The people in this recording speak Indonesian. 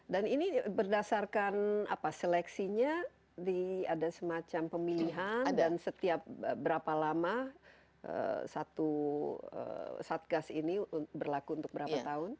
dan ini berdasarkan seleksinya ada semacam pemilihan dan setiap berapa lama satu satgas ini berlaku untuk berapa tahun